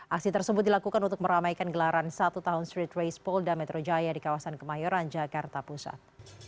aksi tersebut dilakukan untuk meramaikan gelaran satu tahun street race polda metro jaya di kawasan kemayoran jakarta pusat